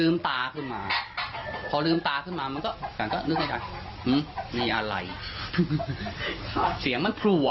แม่เจ้าบ่าวที่เข้ามาตบนะ